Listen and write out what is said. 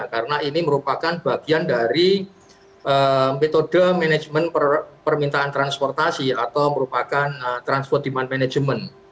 karena ini merupakan bagian dari metode manajemen permintaan transportasi atau merupakan transport demand management